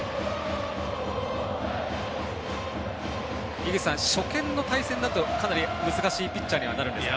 井口さん、初戦の対戦だとかなり難しいピッチャーになるんですか。